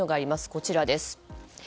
こちらです。